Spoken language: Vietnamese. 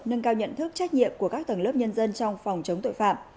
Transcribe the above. nâng cao nhận thức trách nhiệm của các tầng lớp nhân dân trong phòng chống tội phạm